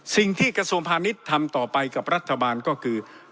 กระทรวงพาณิชย์ทำต่อไปกับรัฐบาลก็คือ